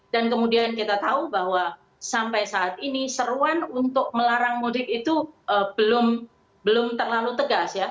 dan kemudian kita tahu bahwa sampai saat ini seruan untuk melarang mudik itu belum terlalu tegas